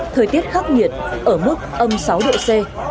thời tiết khắc nghiệt ở mức âm sáu độ c